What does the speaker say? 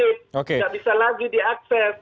nggak bisa lagi diakses